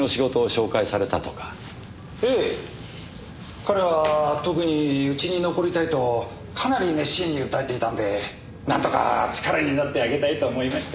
彼は特にうちに残りたいとかなり熱心に訴えていたんでなんとか力になってあげたいと思いまして。